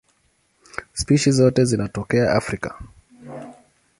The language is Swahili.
Spishi zote zinatokea Afrika.